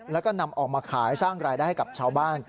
แล้วก็นำออกมาขายสร้างรายได้ให้กับชาวบ้าน